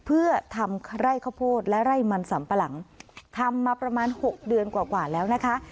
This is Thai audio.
เพื่อทำไร่ข้าวโพดและไร่มันสัมปะหลังทำมาประมาณหกเดือนกว่ากว่าแล้วนะคะ